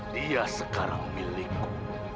dia sekarang milikku